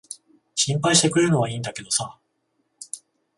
心配してくれるのは良いんだけどさ。